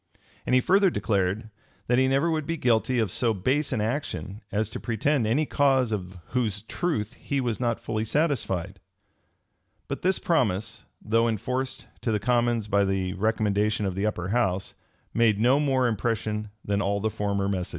And he further declared, "That he never would be guilty of so base an action as to pretend any cause of whose truth he was not fully satisfied."[] But this promise, though enforced to the commons by the recommendation of the upper house, made no more impression than all the former messages.